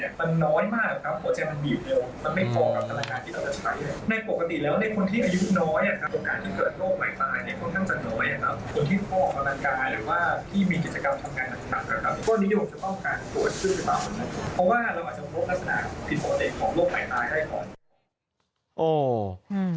เพราะว่าเราอาจจะพบลักษณะผิดผลเด็นของโรคไหนตายได้ก่อน